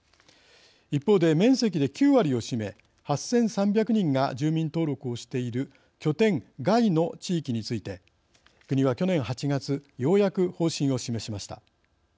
一方で面積で９割を占め８３００人が住民登録をしている拠点外の地域について国は去年８月ようやく方針を示しました。